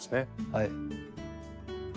はい。